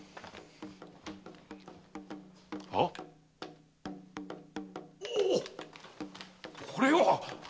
あっ⁉おおこれは！